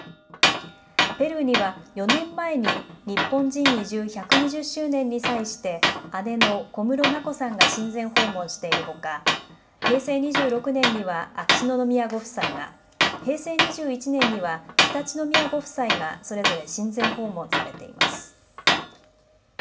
ペルーには４年前に、日本人移住１２０周年に際して、姉の小室眞子さんが親善訪問しているほか、平成２６年には秋篠宮ご夫妻が、平成２１年には常陸宮ご夫妻がそれぞれ親善訪問されています。